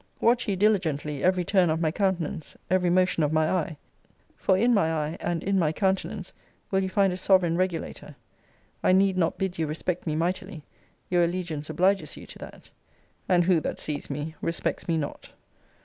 Watch ye diligently every turn of my countenance, every motion of my eye; for in my eye, and in my countenance will ye find a sovereign regulator. I need not bid you respect me mightily: your allegiance obliges you to that: And who that sees me, respects me not?